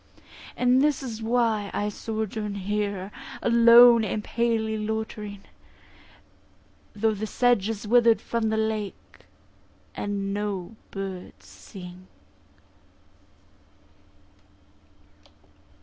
And this is why I sojourn here, Alone and palely loitering; Though the sedge is wither'd from the lake, And no birds sing.